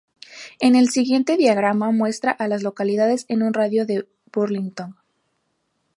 El siguiente diagrama muestra a las localidades en un radio de de Burlington.